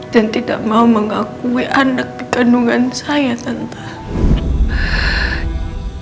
dan tidak mau mengakui anak di kandungan saya tentang